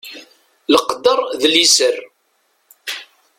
Leqder d liser.